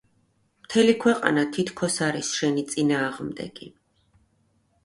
მთელი ქვეყანა თითქოს არის შენი წინააღმდეგი.